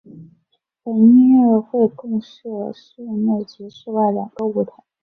本音乐会共设室内及室外两个舞台。